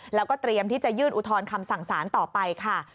แล้วก็เตรียมที่จะยื่นอุทธรณ์คำสั่งสารต่อไปค่ะ